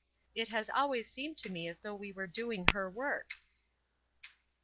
It has always seemed to me as though we were doing her work."